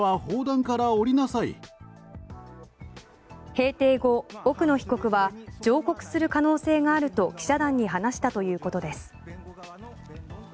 閉廷後、奥野被告は上告する可能性があると記者団に話したということです。